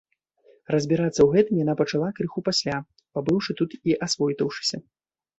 Разбірацца ў гэтым яна пачала крыху пасля, пабыўшы тут і асвойтаўшыся.